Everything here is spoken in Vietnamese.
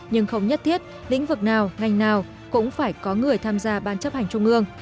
nhưng không nhất thiết lĩnh vực nào ngành nào cũng phải có người tham gia ban chấp hành trung ương